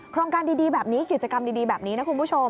การดีแบบนี้กิจกรรมดีแบบนี้นะคุณผู้ชม